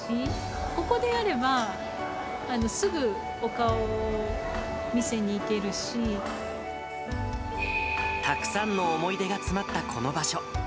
ここであれば、たくさんの思い出が詰まったこの場所。